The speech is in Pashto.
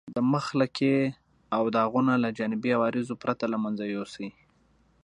د مخ لکې او داغونه له جانبي عوارضو پرته له منځه یوسئ.